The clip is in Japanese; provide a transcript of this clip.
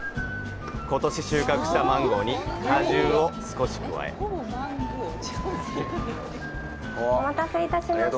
ことし収穫したマンゴーに果汁を少し加えお待たせいたしました。